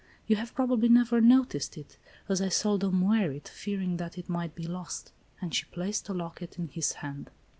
You have probably never noticed it, as I seldom wear it, fearing that it might be lost." And she placed the locket in his hand.